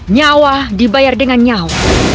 nyawa dibayar dengan nyawa